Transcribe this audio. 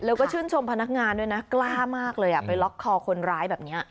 แล้วก็ชื่นชมพนักงานด้วยนะกล้ามากเลยไปล็อกคอคนร้ายแบบนี้